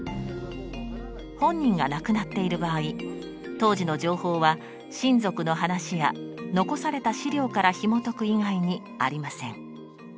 本人が亡くなっている場合当時の情報は親族の話や残された資料からひもとく以外にありません。